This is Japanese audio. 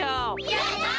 やった！